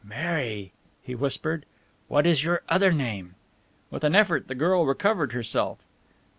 "Mary!" he whispered, "what is your other name?" With an effort the girl recovered herself.